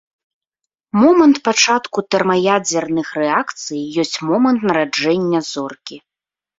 Момант пачатку тэрмаядзерных рэакцый ёсць момант нараджэння зоркі.